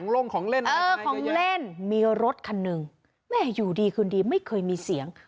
ลงของเล่นเออของเล่นมีรถคันหนึ่งแม่อยู่ดีคืนดีไม่เคยมีเสียง